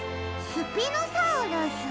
スピノサウルス？